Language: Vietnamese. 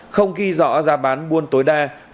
không ghi rõ giá bán buôn tối đa